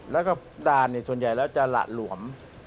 แล้วก็ด่านส่วนใหญ่แล้วจะหละหลวม